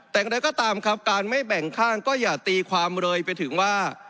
แต่ก็ได้ก็ตามครับการไม่แบ่งข้างก็อย่าตีความเลยไปถึงว่า